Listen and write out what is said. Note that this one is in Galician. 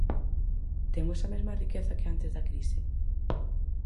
¿Temos a mesma riqueza que antes da crise?